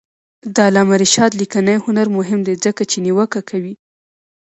د علامه رشاد لیکنی هنر مهم دی ځکه چې نیوکه کوي.